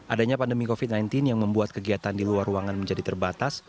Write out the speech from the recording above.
adanya pandemi covid sembilan belas yang membuat kegiatan di luar ruangan menjadi terbatas